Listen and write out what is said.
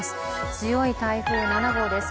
強い台風７号です。